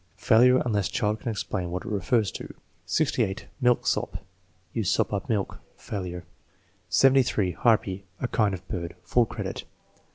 (Failure unless child can explain what it refers to.) 68. Milksop. "You sop up milk." (Failure.) 73. Harpy. "A kind of bird." (Full credit.)